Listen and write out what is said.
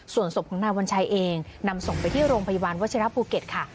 ส่วนศพของนายวัญชัยเองนำส่งไปที่โรงพยาบาลวัชิระภูเก็ตค่ะ